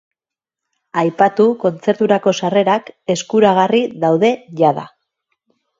Aipatu kontzerturako sarrerak eskuragarri daude jada.